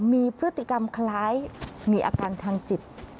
มีพฤติกรรมคล้ายมีอาการทางจิต